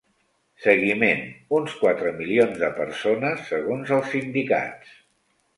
Seguiment: uns quatre milions de persones, segons els sindicats.